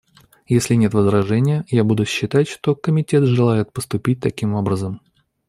Если нет возражения, я буду считать, что Комитет желает поступить таким образом.